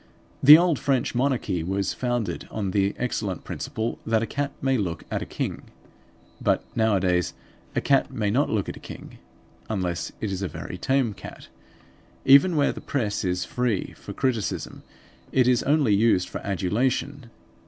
The old French monarchy was founded on the excellent principle that a cat may look at a king. But nowadays a cat may not look at a king; unless it is a very tame cat. Even where the press is free for criticism it is only used for adulation.